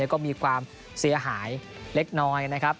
ก็มีความเสียหายเล็กน้อยนะครับ